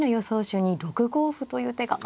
手に６五歩という手が。